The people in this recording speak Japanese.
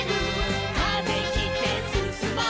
「風切ってすすもう」